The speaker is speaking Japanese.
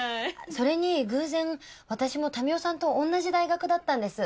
それに偶然私も民生さんとおんなじ大学だったんです。